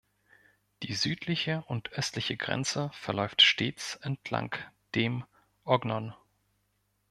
Die südliche und östliche Grenze verläuft stets entlang dem Ognon.